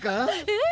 うん。